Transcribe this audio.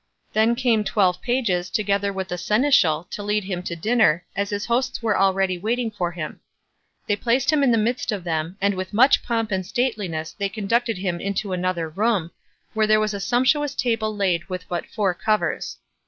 Then came twelve pages, together with the seneschal, to lead him to dinner, as his hosts were already waiting for him. They placed him in the midst of them, and with much pomp and stateliness they conducted him into another room, where there was a sumptuous table laid with but four covers.